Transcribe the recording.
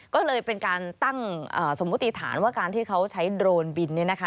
ก็เลยเป็นการตั้งสมมุติฐานว่าการที่เขาใช้โดรนบินเนี่ยนะคะ